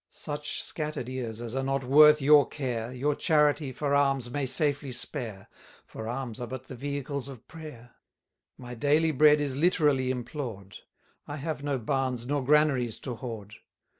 Such scatter'd ears as are not worth your care, Your charity, for alms, may safely spare, For alms are but the vehicles of prayer. My daily bread is literally implored; I have no barns nor granaries to hoard.